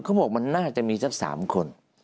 เขาบอกมันน่าจะมีสัก๓คน